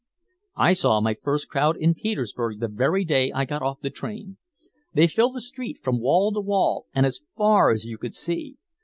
"I saw my first crowd in Petersburg the very day I got off the train. They filled a street from wall to wall and as far as you could see.